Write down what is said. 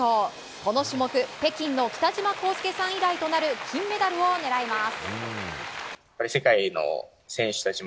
この種目北京の北島康介さん以来となる金メダルを狙います。